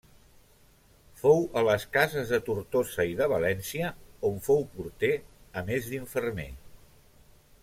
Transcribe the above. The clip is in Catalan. Fou a les cases de Tortosa i de València, on fou porter a més d'infermer.